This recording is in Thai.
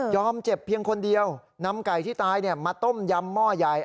เจ็บเพียงคนเดียวนำไก่ที่ตายมาต้มยำหม้อใหญ่